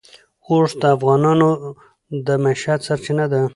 اوښ د افغانانو د معیشت سرچینه ده.